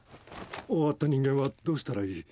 終わった人間はどうしたらいい？